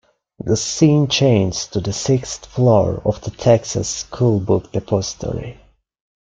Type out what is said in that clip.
The scene changes to the sixth floor of the Texas School Book Depository.